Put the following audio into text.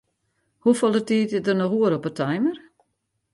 Hoefolle tiid is der noch oer op 'e timer?